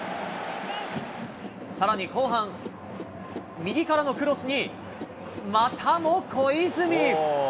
さらに後半、右からのクロスに、またも小泉。